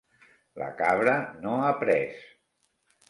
La cabra no ha pres.